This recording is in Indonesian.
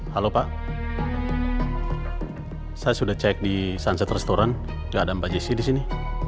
halo pak saya sudah cek di sunset restaurant gak ada mbak jc disini